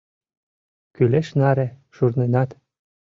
Кӱлеш наре шурнынат.